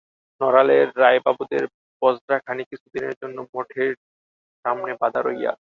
নড়ালের রায়বাবুদের বজরাখানি কিছুদিনের জন্য মঠের সামনে বাঁধা রহিয়াছে।